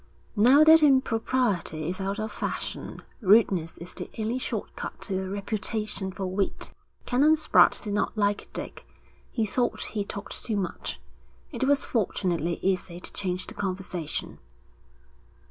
'Now that impropriety is out of fashion, rudeness is the only short cut to a reputation for wit.' Canon Spratte did not like Dick. He thought he talked too much. It was fortunately easy to change the conversation.